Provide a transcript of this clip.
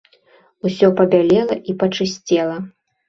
Усё пабялела і пачысцела.